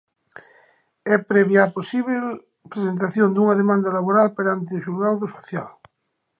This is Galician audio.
"É previa á posíbel presentación dunha demanda laboral perante o xulgado do social".